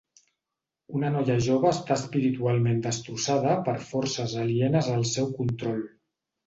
Una noia jove està espiritualment destrossada per forces alienes al seu control.